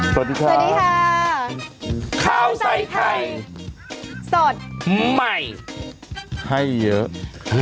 สวัสดีครับสวัสดีค่ะข้าวใส่ไข่สดใหม่ให้เยอะ